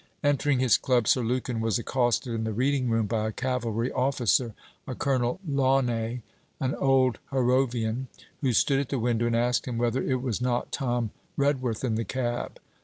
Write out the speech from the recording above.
Entering his Club, Sir Lukin was accosted in the reading room by a cavalry officer, a Colonel Launay, an old Harrovian, who stood at the window and asked him whether it was not Tom Redworth in the cab.